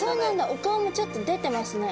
お顔もちょっと出てますね。